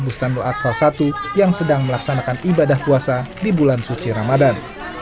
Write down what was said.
bustanul akal i yang sedang melaksanakan ibadah puasa di bulan suci ramadan